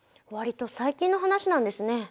わりと最近の話なんですね。